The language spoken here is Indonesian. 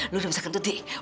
lu udah bisa kentut dik